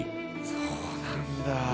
そうなんだ。